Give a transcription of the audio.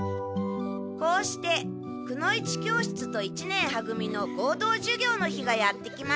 こうしてくの一教室と一年は組の合同授業の日がやって来ました